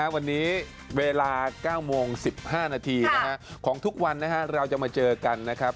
วันนี้เวลา๙โมง๑๕นาทีของทุกวันเราจะมาเจอกันนะครับ